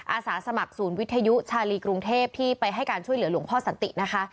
อาสาสมัครศูนย์วิทยุชาลีกรุงเทพที่ไปให้การช่วยเหลือหลวงพ่อสันตินะคะ